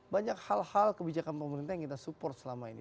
banyak hal hal kebijakan pemerintah yang kita support selama ini